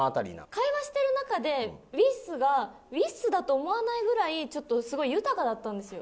会話してる中でウイッスがウイッスだと思わないぐらいちょっとすごい豊かだったんですよ。